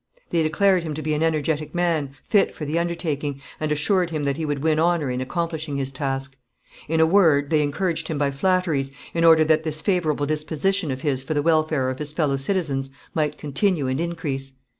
They declared him to be an energetic man, fit for the undertaking, and assured him that he would win honour in accomplishing his task. In a word, they encouraged him by flatteries, in order that this favourable disposition of his for the welfare of his fellow citizens might continue and increase.